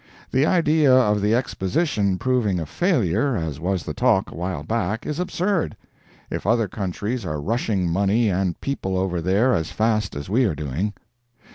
The idea of the Exposition proving a failure, as was the talk a while back, is absurd, if other countries are rushing money and people over there as fast as we are doing.